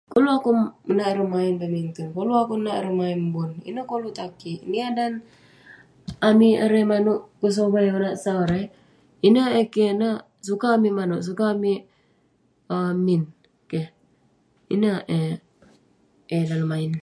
Koluk akouk menat ireh main badminton, koluk akouk nat ireh main bon, ineh koluk tan kik. Niah dan amik erei manouk kesomai konak sau erei, ineh eh keh ineh, sukat amik manouk, sukat amik um min. Keh. Ineh eh yah dalem main..